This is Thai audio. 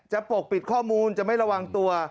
ปกปิดข้อมูลจะไม่ระวังตัว